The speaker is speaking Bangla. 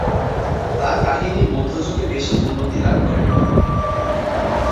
তার কাহিনী মধ্যযুগে বেশি উন্নতি লাভ করে।